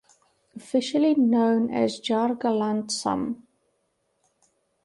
Officially known as Jargalant sum.